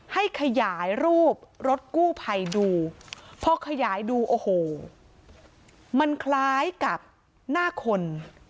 ให้ขยายรูปรถกู้ภัยดูพอขยายดูโอ้โหมันคล้ายกับหน้าคน